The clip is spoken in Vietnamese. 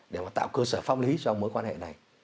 để mà tạo cơ sở pháp lý cho mối quan hệ này